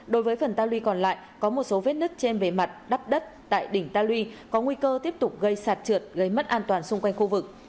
đối với phần ta luy còn lại có một số vết nứt trên bề mặt đắp đất tại đỉnh ta lui có nguy cơ tiếp tục gây sạt trượt gây mất an toàn xung quanh khu vực